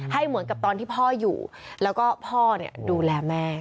เหมือนกับตอนที่พ่ออยู่แล้วก็พ่อดูแลแม่